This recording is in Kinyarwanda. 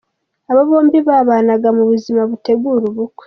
Aba bombi babanaga mu buzima butegura ubukwe.